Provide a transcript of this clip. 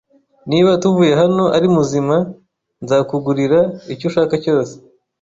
Niba tuvuye hano ari muzima, nzakugurira icyo ushaka cyose